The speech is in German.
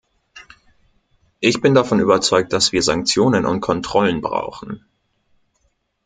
Ich bin davon überzeugt, dass wir Sanktionen und Kontrollen brauchen.